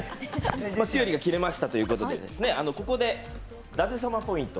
きれいに切れましたということで、ここで舘様ポイント。